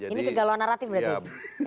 ini kegalauan naratif berarti